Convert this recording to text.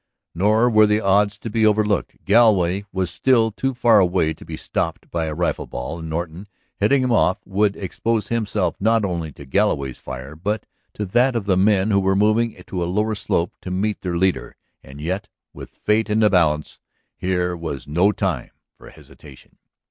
Nor were the odds to be overlooked. Galloway was still too far away to be stopped by a rifle ball, and Norton, heading him off, would expose himself not only to Galloway's fire but to that of the men who were moving to a lower slope to meet their leader. And yet, with fate in the balance, here was no time for hesitation.